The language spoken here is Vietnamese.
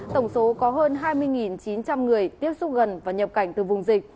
tổng số có hơn hai mươi chín trăm linh người tiếp xúc gần và nhập cảnh từ vùng dịch